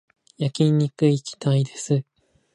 焼肉に行きたいです